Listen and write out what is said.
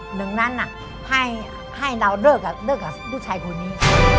หนึ่งนั้นให้เราเลิกกับผู้ชายคนนี้